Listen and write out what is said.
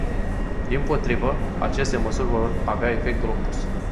Dimpotrivă, aceste măsuri vor avea efectul opus.